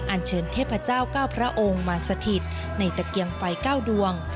อันเชิญเทพเจ้า๙พระองค์มาสถิตในตะเกียงไฟ๙ดวง